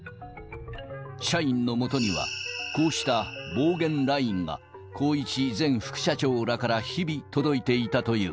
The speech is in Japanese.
社員のもとには、こうした暴言ＬＩＮＥが宏一前副社長らから日々、届いていたという。